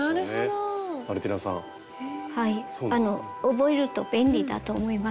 覚えると便利だと思います。